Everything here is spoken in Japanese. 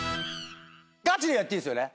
ガチでやっていいですよね？